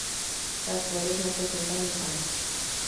Las flores no presentan hipanto.